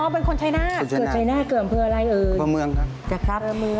อ๋อเป็นคนชายนาฏเกือบชายนาฏเกือบเพื่ออะไรเออ